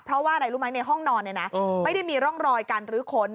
เพราะว่าในห้องนอนเนี่ยนะไม่ได้มีร่องรอยกันหรือค้น